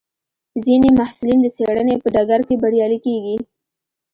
ځینې محصلین د څېړنې په ډګر کې بریالي کېږي.